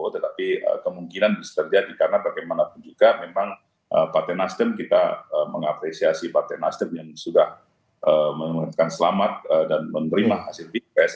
tetapi kemungkinan bisa terjadi karena bagaimanapun juga memang partai nasdem kita mengapresiasi partai nasdem yang sudah mengucapkan selamat dan menerima hasil pilpres